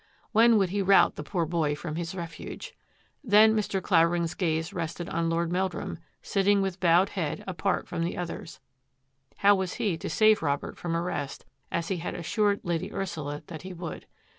When would he rout the poor boy from his refuge? Then Mr. Qavering's gaze rested on Lord Meldrum, sitting with bowed head apart from the others. How was he to save Robert from arrest, as he had as sured Lady Ursula that he would?